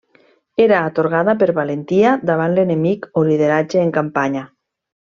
Era atorgada per valentia davant l'enemic o lideratge en campanya.